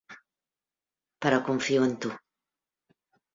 Però confio en tu.